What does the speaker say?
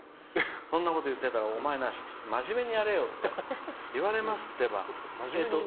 そんなこと言ってたらお前なまじめにやれよって言われますよ。